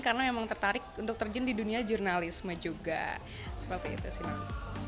karena emang tertarik untuk terjun di dunia jurnalisme juga seperti itu sih